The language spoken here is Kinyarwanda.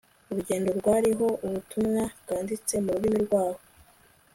urugendo rwariho ubutumwa bwanditse mu rurimi rwaho